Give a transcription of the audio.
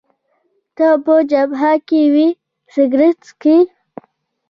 ته په جبهه کي وې، سګرېټ څکوې؟